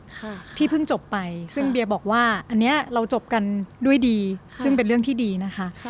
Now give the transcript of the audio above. ค่ะที่เพิ่งจบไปซึ่งเบียบอกว่าอันเนี้ยเราจบกันด้วยดีซึ่งเป็นเรื่องที่ดีนะคะ